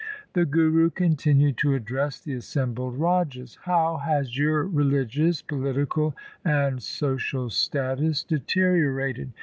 The Guru continued to address the assembled rajas :' How has your religious, political, and social status deteriorated